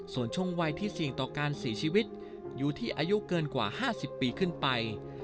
ส่วนช่วงวัยที่เสี่ยงต่อการเสียชีวิตอยู่ที่อายุเกินกว่า๕๐ปีขึ้นไป